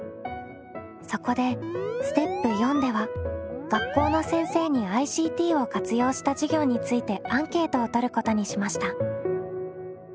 そこでステップ４では学校の先生にＩＣＴを活用した授業についてアンケートをとることにしました。